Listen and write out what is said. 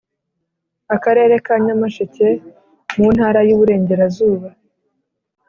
Akarere ka Nyamasheke mu Ntara y Iburengerazuba